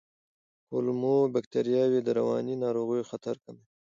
کولمو بکتریاوې د رواني ناروغیو خطر کموي.